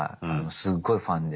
すっごいファンでさ。